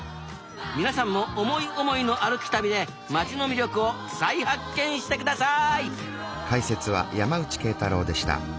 皆さんも思い思いの歩き旅で町の魅力を再発見して下さい！